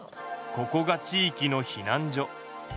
ここが地いきの避難所。